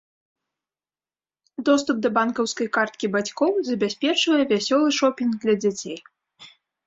Доступ да банкаўскай карткі бацькоў забяспечвае вясёлы шопінг для дзяцей.